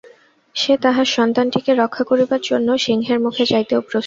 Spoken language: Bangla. সে তাহার সন্তানটিকে রক্ষা করিবার জন্য সিংহের মুখে যাইতেও প্রস্তুত।